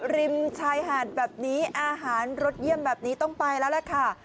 ริมชายหาดแบบนี้อาหารรสเยี่ยมแบบนี้ต้องไปแล้วล่ะค่ะ